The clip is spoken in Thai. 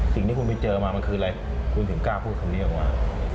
สิ่งที่คุณไปเจอมามันคืออะไรคุณถึงกล้าพูดคำนี้ออกมา